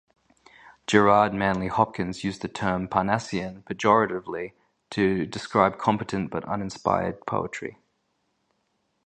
Gerard Manley Hopkins used the term "Parnassian" pejoratively to describe competent but uninspired poetry.